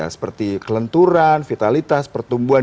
seperti kelenturan vitalitas pertumbuhan